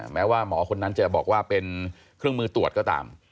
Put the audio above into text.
แม้ว่าหมอคนนั้นจะบอกว่าเป็นเครื่องมือตรวจก็ตาม